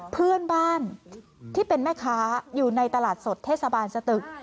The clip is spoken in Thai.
เพื่อนบ้านที่เป็นแม่ค้าอยู่ในตลาดสดเทศบาลสตึก